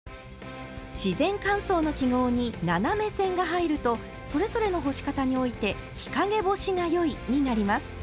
自然乾燥の記号に斜め線が入るとそれぞれの干し方において「日陰干しがよい」になります。